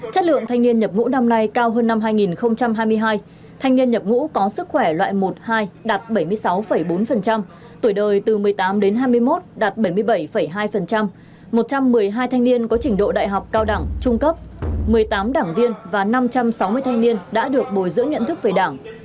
chất lượng thanh niên nhập ngũ năm nay cao hơn năm hai nghìn hai mươi hai thanh niên nhập ngũ có sức khỏe loại một hai đạt bảy mươi sáu bốn tuổi đời từ một mươi tám đến hai mươi một đạt bảy mươi bảy hai một trăm một mươi hai thanh niên có trình độ đại học cao đẳng trung cấp một mươi tám đảng viên và năm trăm sáu mươi thanh niên đã được bồi dưỡng nhận thức về đảng